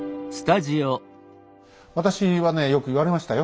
私はねよく言われましたよ